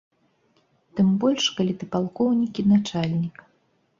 Тым больш, калі ты палкоўнік і начальнік.